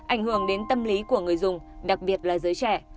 ảnh hưởng đến tâm lý của người dùng đặc biệt là giới trẻ